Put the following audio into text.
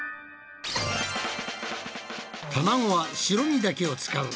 卵は白身だけを使う。